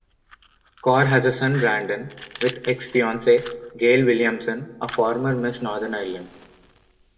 Corr has a son, Brandon, with ex-fiancee Gayle Williamson, a former Miss Northern Ireland.